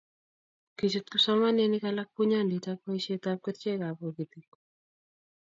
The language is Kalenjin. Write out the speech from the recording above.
kichut kipsomanik alak bunyondit ak boisietab kerchekab bokitik